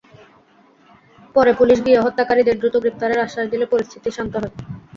পরে পুলিশ গিয়ে হত্যাকারীদের দ্রুত গ্রেপ্তারের আশ্বাস দিলে পরিস্থিতি শান্ত হয়।